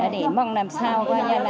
để mong làm sao